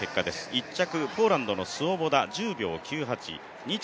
１着、ポーランドのスウォボダ１０秒９８、２着